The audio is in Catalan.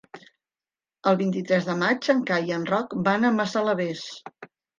El vint-i-tres de maig en Cai i en Roc van a Massalavés.